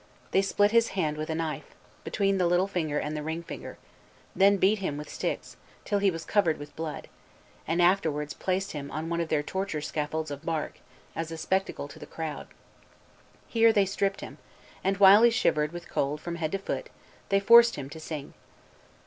They split his hand with a knife, between the little finger and the ring finger; then beat him with sticks, till he was covered with blood; and afterwards placed him on one of their torture scaffolds of bark, as a spectacle to the crowd. Here they stripped him, and while he shivered with cold from head to foot they forced him to sing.